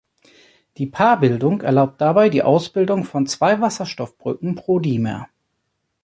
Die Paarbildung erlaubt dabei die Ausbildung von zwei Wasserstoffbrücken pro Dimer.